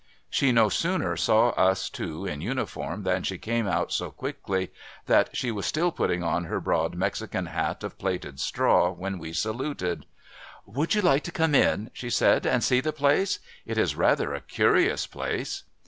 She no sooner saw us two in uniform, than she came out so quickly that she was still putting on her broad Mexican hat of plaited straw when we saluted. ' Would you like to come in,' she said, ' and see the place ? It is rather a curious place.'